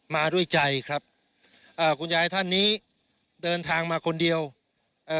มาด้วยใจครับอ่าคุณยายท่านนี้เดินทางมาคนเดียวเอ่อ